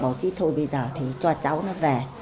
bảo chị thôi bây giờ thì cho cháu nó về